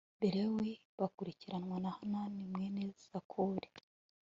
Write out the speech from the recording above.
Balewi bakurikirwa na Hanani mwene Zakuri